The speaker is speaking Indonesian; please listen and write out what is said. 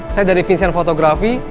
saya dari vincent photography